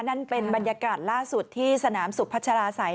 นั่นเป็นบรรยากาศล่าสุดที่สนามสุพัชราศัย